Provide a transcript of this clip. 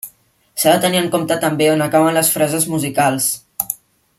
S'ha de tenir en compte també on acaben les frases musicals.